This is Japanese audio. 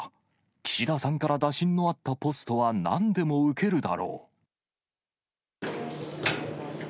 岸田さんから打診のあったポストはなんでも受けるだろう。